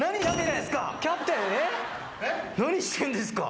何してんですか。